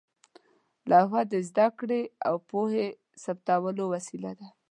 لوحه د زده کړې او پوهې ثبت کولو وسیله وه.